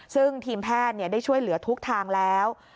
ซึ่งทีมแพทย์ได้ช่วยเหลือทุกทางแล้ว